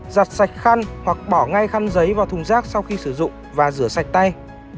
giặt sạch khăn hoặc bỏ ngay khăn giấy vào thùng rác sau khi sử dụng và rửa sạch tay